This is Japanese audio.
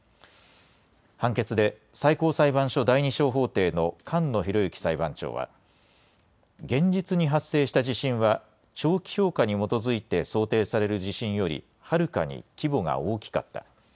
判決で、最高裁判所第２小法廷の菅野博之裁判長は、現実に発生した地震は長期評価に基づいて想定される地震より、はるかに規模が大きかった。